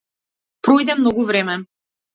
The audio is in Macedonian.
Пројде многу време.